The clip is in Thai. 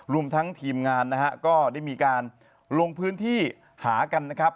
รวมทั้งทีมงานนะฮะก็ได้มีการลงพื้นที่หากันนะครับ